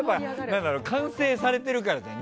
完成されているからだよ。